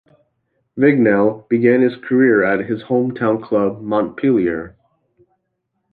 Vignal began his career at his home town club, Montpellier.